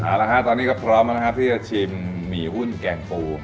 เอาละฮะตอนนี้ก็พร้อมแล้วนะครับที่จะชิมหมี่หุ้นแกงปู